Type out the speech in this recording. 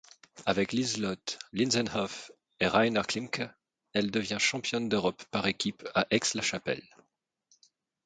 Avec Liselott Linsenhoff et Reiner Klimke, eelle devient championne d'Europe par équipe à Aix-la-Chapelle.